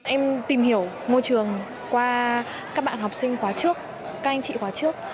em tìm hiểu môi trường qua các bạn học sinh khóa trước các anh chị khóa trước